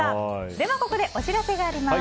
ではここで、お知らせがあります。